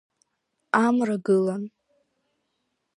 Амра гылан…